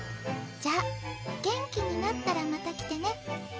じゃあ元気になったらまた来てね。